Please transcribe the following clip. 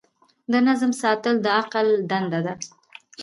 د نظم ساتل د عقل دنده ده.